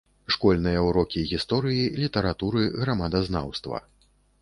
Школьныя ўрокі гісторыі, літаратуры, грамадазнаўства.